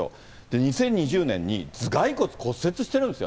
２０２０年に頭がい骨骨折してるんですよ。